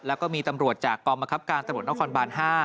แล้วก็มีตำรวจจากกรมกับการตะบดนครบาน๕